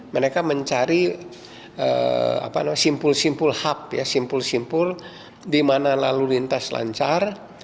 mereka mencari simpul simpul hub ya simpul simpul di mana lalu lintas lancar